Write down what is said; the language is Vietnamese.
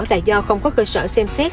là do không có cơ sở xem xét